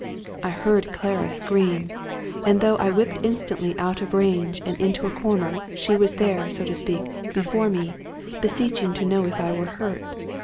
I heard Clara scream; and though I whipped instantly out of range and into a corner, she was there, so to speak, before me, beseeching to know if I were hurt.